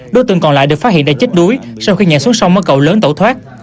đối tượng còn lại được phát hiện đã chết đuối sau khi nhảy xuống sông mất cậu lớn tẩu thoát